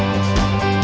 aku bisa berkata kata